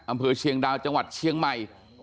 อำเภอเชียงดาวจังหวัดเชียงใหม่